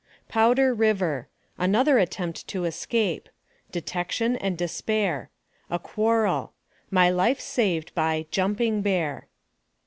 POWDER RIVER ANOTHER ATTEMPT TO ESCAPE DETECTION AND DESPAIR A QUARREL MY LIFE SAVED BY "JUMPING BEAR."